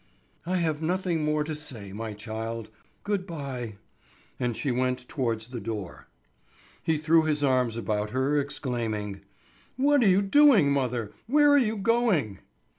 "I have nothing more to say, my child. Good bye." And she went towards the door. He threw his arms about her exclaiming: "What are you doing, mother; where are you going?"